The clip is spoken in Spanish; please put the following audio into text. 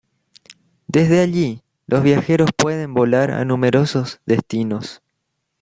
Desde allí los viajeros pueden volar a numerosos destinos.